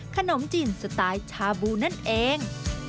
ขนมจีนสไตล์ชาบูนั่นเอง